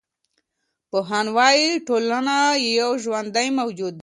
پوهان وايي چي ټولنه یو ژوندی موجود دی.